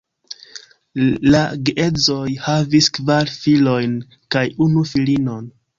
La geedzoj havis kvar filojn kaj unu filinon.